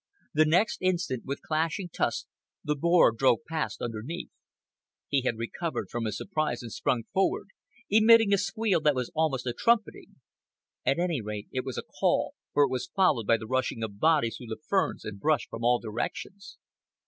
The next instant, with clashing tusks, the boar drove past underneath. He had recovered from his surprise and sprung forward, emitting a squeal that was almost a trumpeting. At any rate it was a call, for it was followed by the rushing of bodies through the ferns and brush from all directions.